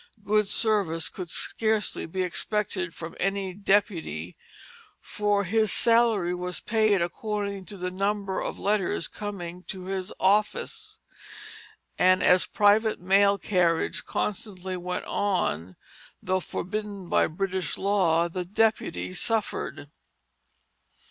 Good service could scarcely be expected from any deputy, for his salary was paid according to the number of letters coming to his office; and as private mail carriage constantly went on, though forbidden by British law, the deputy suffered.